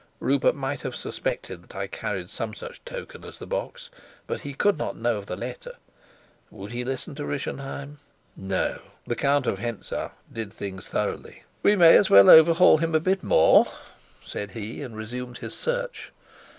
Rupert might have suspected that I carried some such token as the box, but he could not know of the letter. Would he listen to Rischenheim? No. The Count of Hentzau did things thoroughly. "We may as well overhaul him a bit more," said he, and resumed his search.